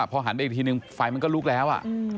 พอหันไปอีกทีนึงไฟมันก็ลุกแล้ว